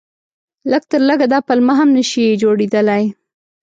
لږ تر لږه دا پلمه هم نه شي جوړېدلای.